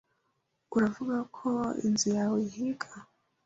Uravuga ko inzu yawe ihiga?